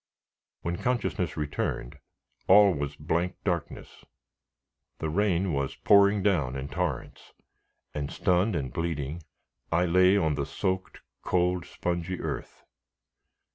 When consciousness returned, all was blank darkness. The rain was pouring down in torrents, and, stunned and bleeding, I lay on the soaked, cold, spongy earth.